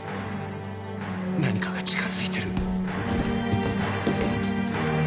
何かが近づいてる。